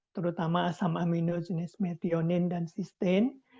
terutama asam amino jenis methionin dan cysteine